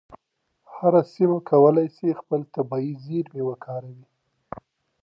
هره سیمه کولای سي خپل طبیعي زیرمې وکاروي.